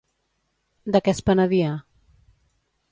De què es penedia?